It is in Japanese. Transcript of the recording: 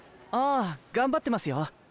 あ頑張ってますよ。